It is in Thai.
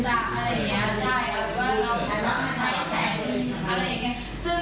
เทียมจ้ะอะไรอย่างเงี้ยใช่เอาเป็นว่าเราใช้แสนหนึ่งอะไรอย่างเงี้ย